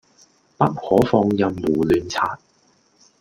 不可放任胡亂刷